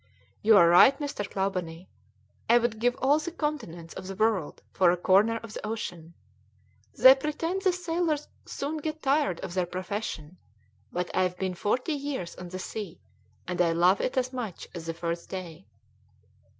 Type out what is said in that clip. "You are right, Mr. Clawbonny. I would give all the continents of the world for a corner of the ocean. They pretend that sailors soon get tired of their profession, but I've been forty years on the sea and I love it as much as the first day."